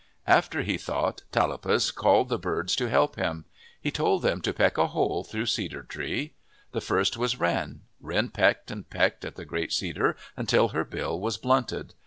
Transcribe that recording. After he thought, Tallapus called the birds to help him. He told them to "peck a hole through Cedar Tree. The first was Wren. Wren pecked and pecked at the great cedar until her bill was blunted.